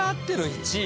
１位？